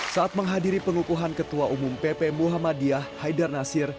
saat menghadiri pengukuhan ketua umum pp muhammadiyah haidar nasir